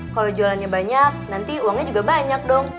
kalau jualannya banyak nanti uangnya juga banyak dong